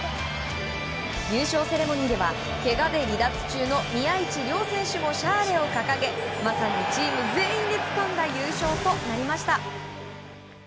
優勝セレモニーではけがで離脱中の宮市亮選手もシャーレを掲げまさにチーム全員でつかんだ優勝となりました。